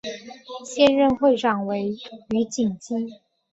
现任会长为余锦基。